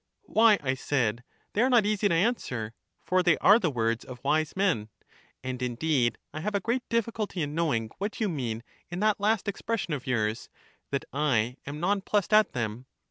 Why, I said, they are not easy to answer; for they are the words of wise men : and indeed I have a great difficulty in knowing what you mean in that last ex pression of yours, " that I am non plussed at them."